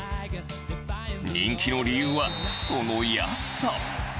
人気の理由は、その安さ。